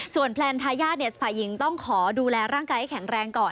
แพลนทายาทฝ่ายหญิงต้องขอดูแลร่างกายให้แข็งแรงก่อน